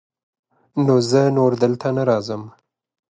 نو زه نور دلته نه راځم.